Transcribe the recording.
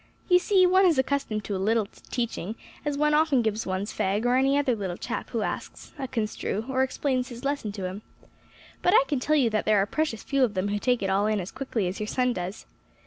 "You see one is accustomed a little to teaching, as one often gives one's fag, or any other little chap who asks, a construe, or explains his lesson to him. But I can tell you that there are precious few of them who take it all in as quickly as your son does.